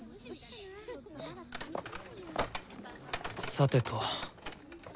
さてと。